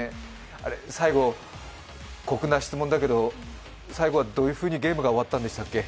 最後、酷な質問だけど最後はどういうふうにゲーム終わったんでしたっけ？